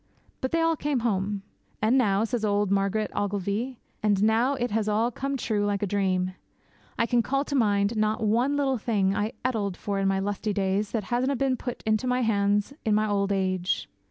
But they all came home. 'And now,' says old Margaret Ogilvy, 'and now it has all come true like a dream. I can call to mind not one little thing I ettled for in my lusty days that hasna' been put into my hands in my auld age.